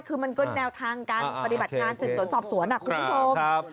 คือมันก็แนวทางการปฏิบัติงานสืบสวนสอบสวนคุณผู้ชม